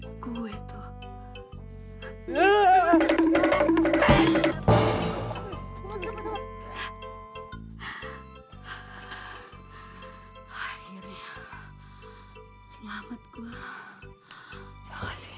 akhirnya selamat gua ya kasih